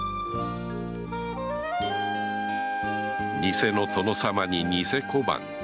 偽の殿様に偽小判